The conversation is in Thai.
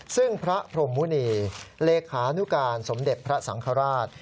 ซึ่งพระพรมมุณีเลขานุการสมเด็จพระสังฆราช